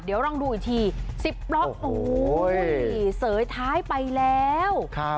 เดี๋ยวลองดูอีกทีสิบล้อโอ้โหเสยท้ายไปแล้วครับ